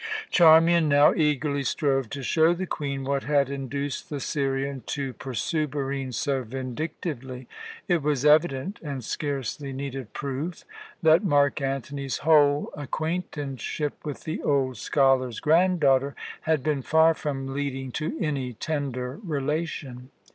Charmian now eagerly strove to show the Queen what had induced the Syrian to pursue Barine so vindictively. It was evident and scarcely needed proof that Mark Antony's whole acquaintanceship with the old scholar's granddaughter had been far from leading to any tender relation.